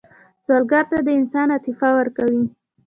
سوالګر ته د انسان عاطفه ورکوئ